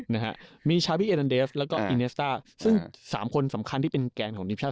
นะฮะมีแล้วก็ซึ่งสามคนสำคัญที่เป็นแกนของนิวชาติ